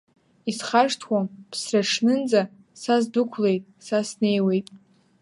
Исхашҭуам ԥсраҽнынӡа, са сдәықәлеит, са снеиуеит…